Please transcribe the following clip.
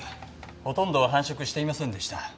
ほとんど繁殖していませんでした。